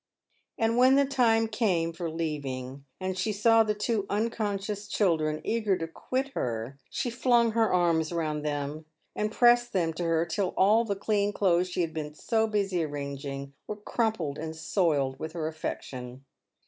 And when the time came for leaving, and she saw the two uncon scious children eager to quit her, she flung her arms round them and pressed them to her till all the clean clothes she had been so busy ar ranging were crumpled and soiled with her affection.